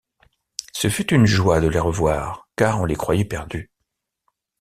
Ce fut une joie de les revoir, car on les croyait perdus.